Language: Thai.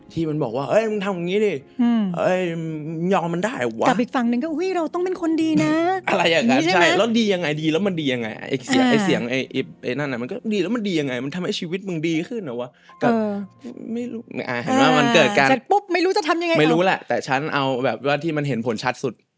ที่มันบอกว่าเฮ้ยมึงทำแบบนี้ดิ